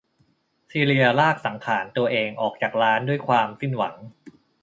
ซีเลียลากสังขาลตัวเองออกจากร้าน ด้วยความสิ้นหวัง